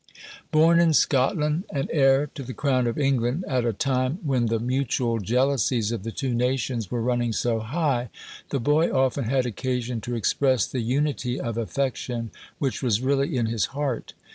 Born in Scotland, and heir to the crown of England at a time when the mutual jealousies of the two nations were running so high, the boy often had occasion to express the unity of affection which was really in his heart.